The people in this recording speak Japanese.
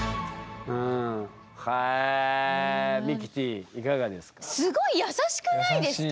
ミキティいかがですか？